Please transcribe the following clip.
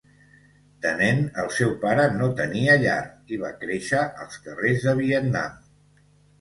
De nen, el seu pare no tenia llar i va créixer als carrers de Vietnam.